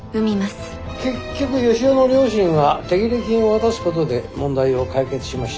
結局義雄の両親は手切れ金を渡すことで問題を解決しました。